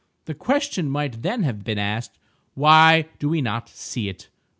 The question might then have been asked—"Why do we not see it?"